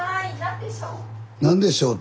何でしょう？